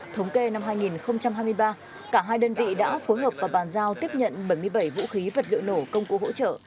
thống kê năm hai nghìn hai mươi ba cả hai đơn vị đã phối hợp và bàn giao tiếp nhận bảy mươi bảy vũ khí vật liệu nổ công cụ hỗ trợ